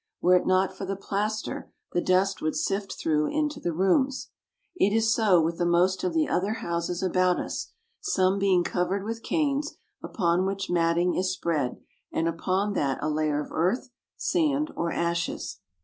Were it not for the plaster, the dust would sift through into the rooms. It is so with the most of the other houses about us, some being covered with canes, upon which mat ting is spread, and upon that a layer of earth, sand, or ashes.